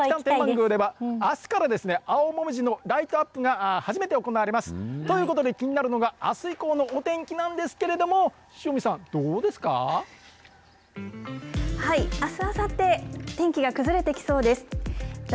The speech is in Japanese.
この北野天満宮ではあすから青もみじのライトアップが初めて行われます。ということで気になるのがあす以降のお天気なんですけれどはい、あすあさって天気が崩れてきそうです。